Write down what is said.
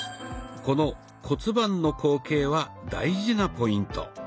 この骨盤の後傾は大事なポイント。